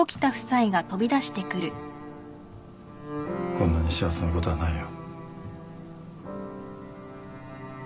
こんなに幸せなことはないよ。